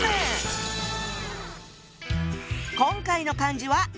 今回の漢字は。